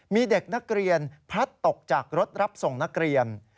มีเด็กนักเรียนพลัดตกจากรถรับส่งนักเรียน